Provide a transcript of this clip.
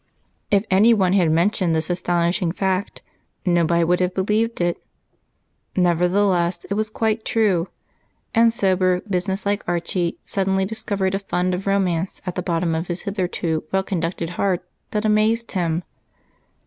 If anyone had mentioned this astonishing fact, nobody would have believed it; nevertheless, it was quite true, and sober, businesslike Archie suddenly discovered a fund of romance at the bottom of his hitherto well conducted heart that amazed him.